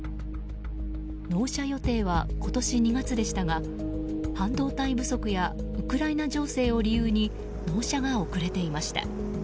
納車予定は今年２月でしたが半導体不足やウクライナ情勢を理由に納車が遅れていました。